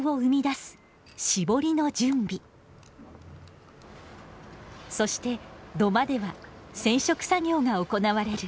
そして土間では染色作業が行われる。